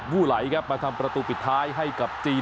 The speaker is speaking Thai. ไหลครับมาทำประตูปิดท้ายให้กับจีน